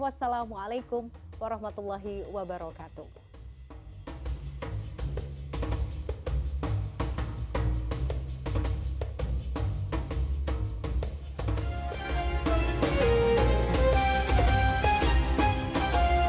wassalamualaikum warahmatullahi wabarakatuh